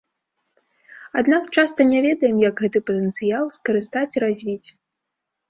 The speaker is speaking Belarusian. Аднак часта не ведаем, як гэты патэнцыял скарыстаць і развіць!